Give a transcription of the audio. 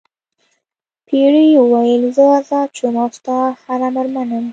پیري وویل زه آزاد شوم او ستا هر امر منم.